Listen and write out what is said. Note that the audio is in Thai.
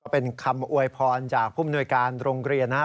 เป็นคำอวยพรจากผู้มนวยการโรงเรียนนะครับ